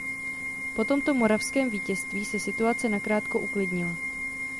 Po tomto moravském vítězství se situace nakrátko uklidnila.